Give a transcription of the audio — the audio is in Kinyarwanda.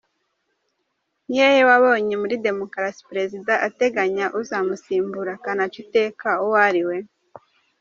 Ni hehe wabonye muri demokarasi, Perezida ateganya uzamusimbura akanaca iteka uwo ari we?.